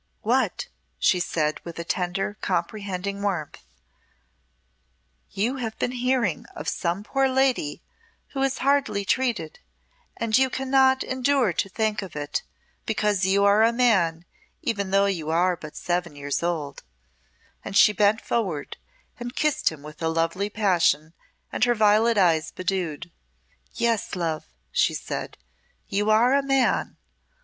"What," she said, with a tender comprehending warmth, "you have been hearing of some poor lady who is hardly treated, and you cannot endure to think of it, because you are a man even though you are but seven years old;" and she bent forward and kissed him with a lovely passion and her violet eyes bedewed. "Yes, love," she said, "you are a Man.